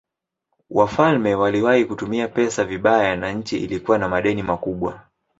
Wafalme waliwahi kutumia pesa vibaya na nchi ilikuwa na madeni makubwa.